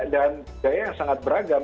dan daya yang sangat beragam